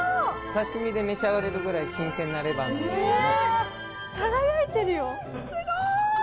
刺身で召し上がれるぐらい新鮮なレバーなんですけどもすごーい！